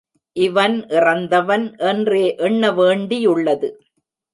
இவன் இறந்தவன் என்றே எண்ண வேண்டியுள்ளது.